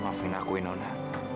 maafin aku inona